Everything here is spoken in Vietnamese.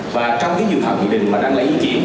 và trong cái dự thảo nghị định mà đang lấy ý kiến